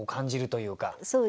そうですね。